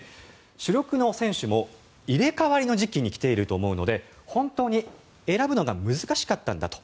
主力の選手も入れ替わりの時期に来ていると思うので本当に選ぶのが難しかったんだと。